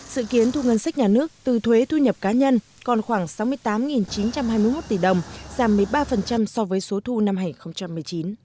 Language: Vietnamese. sự kiến thu ngân sách nhà nước từ thuế thu nhập cá nhân còn khoảng sáu mươi tám chín trăm hai mươi một tỷ đồng giảm một mươi ba so với số thu năm hai nghìn một mươi chín